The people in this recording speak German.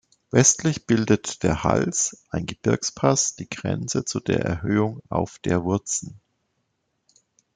Westlich bildet der Hals, ein Gebirgspass, die Grenze zu der Erhöhung "Auf der Wurzen".